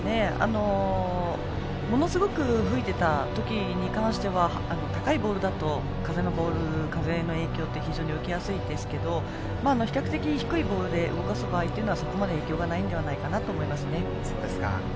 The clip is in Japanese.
ものすごく吹いてた時に関しては高いボールだと風の影響って非常に受けやすいんですけど比較的低いボールで動かす場合は、そこまで影響はないんだろうなと思いますね。